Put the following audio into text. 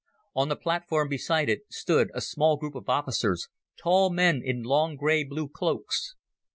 On the platform beside it stood a small group of officers, tall men in long grey blue cloaks.